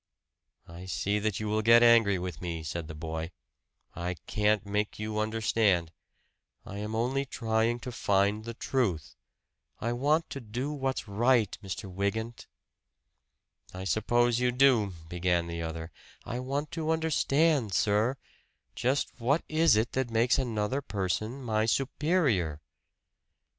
"I see that you will get angry with me," said the boy, "I can't make you understand I am only trying to find the truth. I want to do what's right, Mr. Wygant!" "I suppose you do," began the other "I want to understand, sir just what is it that makes another person my superior?"